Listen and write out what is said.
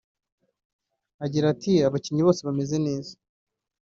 Agira ati “Abakinnyi bose bameze neza